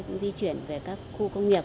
cũng di chuyển về các khu công nghiệp